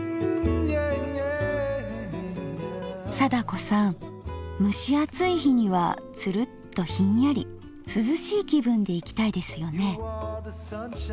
貞子さん蒸し暑い日にはツルッとひんやり涼しい気分でいきたいですよね。